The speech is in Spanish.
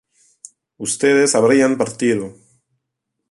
ustedes habrían partido